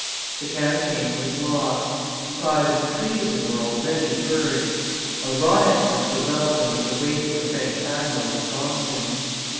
The campaign was lost; cries of treason were already heard. A riot was the welcome which awaited the French admiral at Boston.